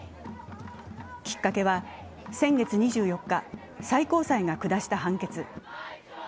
きっかけは先月２４日、最高裁が下した判決。